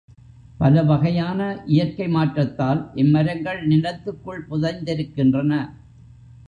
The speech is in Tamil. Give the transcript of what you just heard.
பலவகையான இயற்கை மாற்றத்தால் இம்மரங்கள் நிலத்துக்குள் புதைந்திருக்கின்றன.